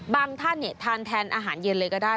ท่านทานแทนอาหารเย็นเลยก็ได้